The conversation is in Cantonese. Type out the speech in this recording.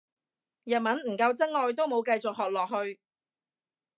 日文唔夠真愛都冇繼續學落去